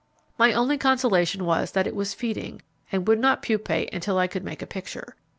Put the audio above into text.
My only consolation was that it was feeding, and would not pupate until I could make a picture.